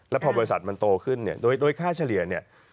แล้วพอบริษัทมันโตขึ้นเนี่ยโดยค่าเฉลี่ยเนี่ย